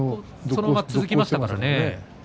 そのまま続行しましたからね。